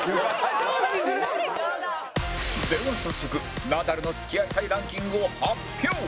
では早速ナダルの付き合いたいランキングを発表